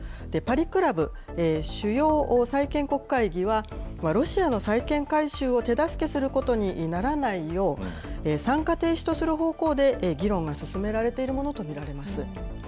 パリクラブ・主要債権国会議は、ロシアの債権回収を手助けすることにならないよう、参加停止とする方向で、議論が進められているものと見られます。